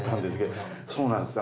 そうなんです。